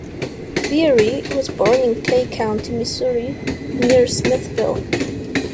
Beery was born in Clay County, Missouri, near Smithville.